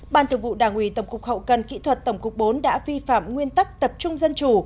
ban thường vụ đảng ủy tổng cục hậu cần kỹ thuật tổng cục bốn đã vi phạm nguyên tắc tập trung dân chủ